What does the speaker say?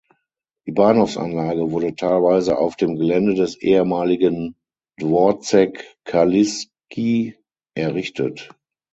Die Bahnhofsanlage wurde teilweise auf dem Gelände des ehemaligen "Dworzec Kaliski" errichtet.